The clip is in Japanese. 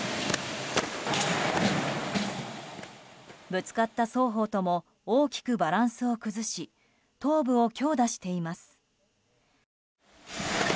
ぶつかった双方とも大きくバランスを崩し頭部を強打しています。